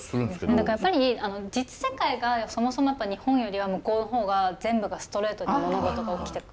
何かやっぱり実世界がそもそもやっぱ日本よりは向こうの方が全部がストレートに物事が起きてくっていうか。